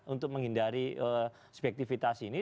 untuk menghindari subjektivitas ini